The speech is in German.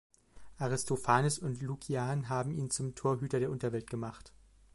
Aristophanes und Lukian haben ihn zum Türhüter der Unterwelt gemacht.